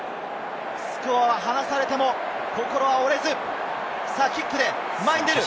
スコアを離されても、心は折れず、キックで前に出る。